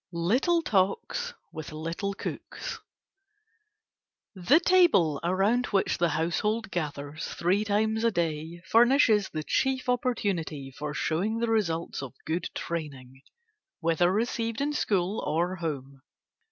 LITTLE TALKS WITH LITTLE COOKS The table around which the household gathers three times a day furnishes the chief opportunity for showing the results of good training, whether received in school or home.